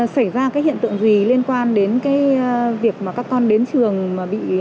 xảy ra cái hiện tượng gì liên quan đến cái việc mà các con đến trường mà bị